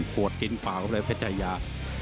ปวดกินเปล่าแล้วก็ไปเพชรไชยา